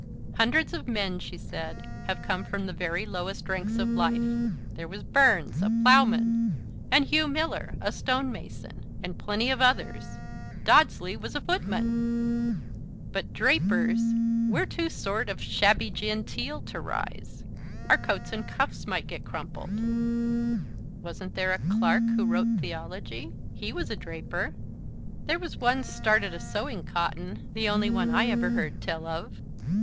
"Hundreds of men," she said, "have come from the very lowest ranks of life. There was Burns, a ploughman; and Hugh Miller, a stonemason; and plenty of others. Dodsley was a footman " "But drapers! We're too sort of shabby genteel to rise. Our coats and cuffs might get crumpled " "Wasn't there a Clarke who wrote theology? He was a draper." "There was one started a sewing cotton, the only one I ever heard tell of."